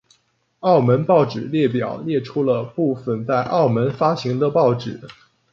澳门报纸列表列出了部分在澳门发行的报纸。